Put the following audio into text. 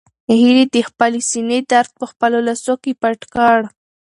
هیلې د خپلې سېنې درد په خپلو لاسو کې پټ کړ.